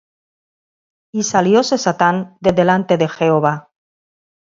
Y salióse Satán de delante de Jehová.